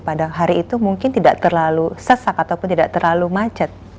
pada hari itu mungkin tidak terlalu sesak ataupun tidak terlalu macet